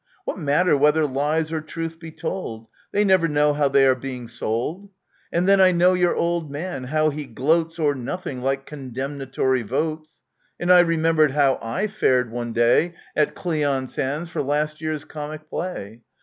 What matter whether lies or truth be told — They never know how they are being sold ! And then I know your old man — how he gloats O'er nothing like condemnatory votes ! And I remembered how / fared one day At Cleon's hands, for last year's comic play.